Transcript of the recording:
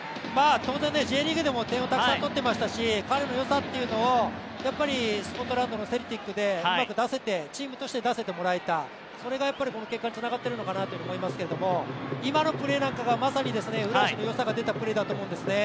当然Ｊリーグでも点をたくさん取ってましたし、彼の良さをやっぱりスコットランドのセルティックでうまくチームとして出せてもらえた、それがこの結果につながっていると思いますけれども、今のプレーなんかがまさに古橋の良さが出たプレーだと思うんですね。